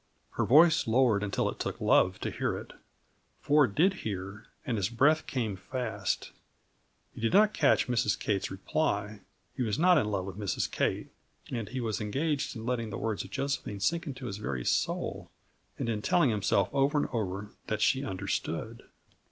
Her voice lowered until it took love to hear it. Ford did hear, and his breath came fast. He did not catch Mrs. Kate's reply; he was not in love with Mrs. Kate, and he was engaged in letting the words of Josephine sink into his very soul, and in telling himself over and over that she understood.